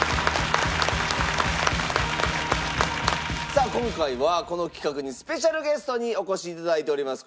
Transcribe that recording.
さあ今回はこの企画にスペシャルゲストにお越し頂いております。